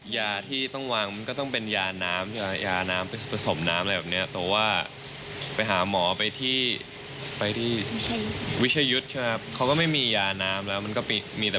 ไม่เวิร์คอะแบบเขาดื่มไปเขายังตื่นมาไร้